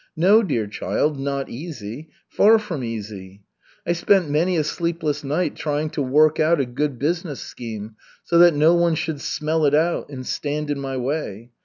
No, dear child, not easy, far from easy. I spent many a sleepless night trying to work out a good business scheme, so that no one should smell it out and stand in my way.